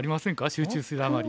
集中するあまり。